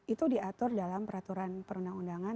itu diatur dalam peraturan perundang undangan